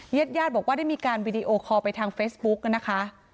เย็ดยาดบอกว่าได้มีการวิดีโอคอร์ไปทางเฟซบุ๊กนะคะ